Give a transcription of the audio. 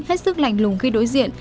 hết sức lành lùng khi đối diện